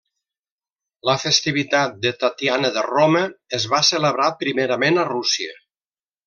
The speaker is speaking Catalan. La festivitat de Tatiana de Roma es va celebrar primerament a Rússia.